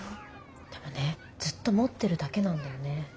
でもねずっと持ってるだけなんだよね。